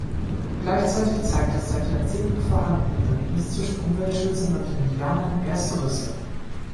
Gleichzeitig zeigt das seit Jahrzehnten vorhandene Bündnis zwischen Umweltschützern und Indianern erste Risse.